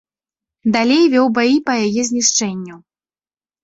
Далей вёў баі па яе знішчэнню.